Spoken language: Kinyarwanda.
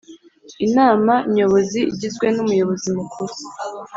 Inama Nyobozi igizwe n Umuyobozi mukuru